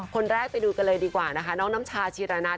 คนแรกไปดูกันเลยดีกว่านะคะน้องน้ำชาชีระนัท